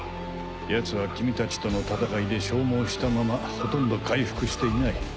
ヤツは君たちとの戦いで消耗したままほとんど回復していない。